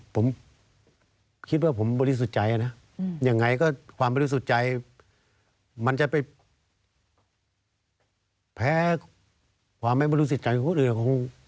ผมคิดว่าผมบริสุทธิ์ใจนะยังไงก็ความบริสุทธิ์ใจมันจะไปแพ้ความไม่บริสุทธิ์ใจของคนอื่นคง